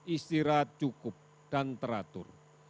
istirahat cukup dan teratur